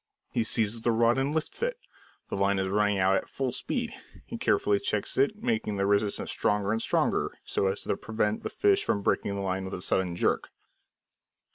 He seizes the rod and lifts it. The line is running out at full speed. He carefully checks it, making the resistance stronger and stronger, so as to prevent the fish from breaking the line with a sudden jerk.